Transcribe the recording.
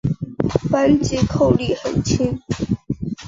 扳机扣力很轻。